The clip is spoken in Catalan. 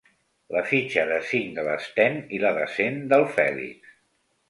La fitxa de cinc de l'Sten i la de cent del Fèlix.